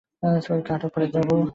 সোহেলকে আটক করে র্যাব।